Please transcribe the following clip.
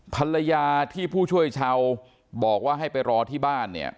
ภรรยาที่ผู้ช่วยชาวบอกว่าให้ไปรอที่บ้านเนี่ย